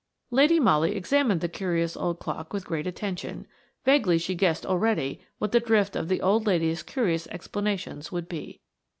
Lady Molly examined the curious old clock with great attention. Vaguely she guessed already what the drift of the old lady's curious explanations would be.